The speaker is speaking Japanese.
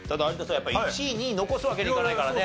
やっぱり１位２位残すわけにいかないからね。